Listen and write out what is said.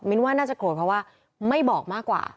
ว่าน่าจะโกรธเพราะว่าไม่บอกมากกว่า